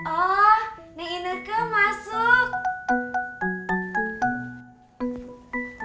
oh ini aku masuk